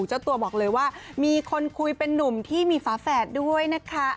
เจ้าตัวบอกเลยว่ามีคนคุยเป็นนุ่มที่มีฝาแฝดด้วยนะคะ